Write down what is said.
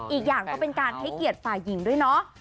อีกอย่างก็เป็นการให้เกียรติฝ่ายหญิงด้วยเนาะ